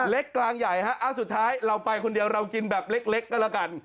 กลางใหญ่ฮะอ้าวสุดท้ายเราไปคนเดียวเรากินแบบเล็กก็แล้วกัน